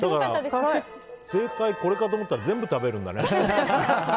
正解、これかと思ったら全部食べるんだね。